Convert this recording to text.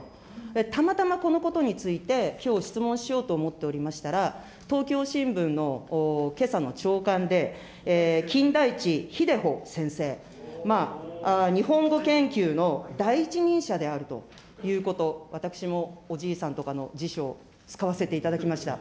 たまたまこのことについて、きょう質問しようと思っておりましたら、東京新聞のけさの朝刊で、金田一秀穂先生、日本語研究の第一人者であるということ、私もおじいさんとかの辞書を使わせていただきました。